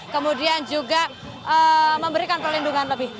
kemudian juga memberikan perlindungan lebih